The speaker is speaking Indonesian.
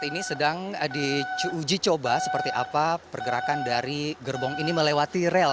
ini sedang diuji coba seperti apa pergerakan dari gerbong ini melewati rel